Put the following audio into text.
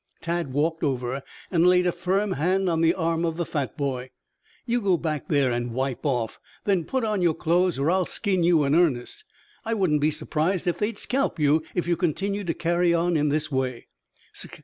Tad walked over and laid a firm hand on the arm of the fat boy. "You go back there and wipe off, then put on your clothes, or I'll skin you in earnest. I wouldn't be surprised if they'd scalp you if you continue to carry on in this way."